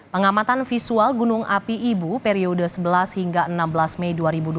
pengamatan visual gunung api ibu periode sebelas hingga enam belas mei dua ribu dua puluh